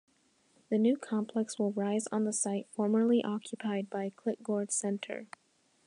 The new complex will rise on the site formerly occupied by Klitgord Center.